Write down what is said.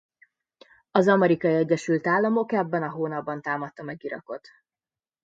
Az Amerikai Egyesült Államok ebben a hónapban támadta meg Irakot.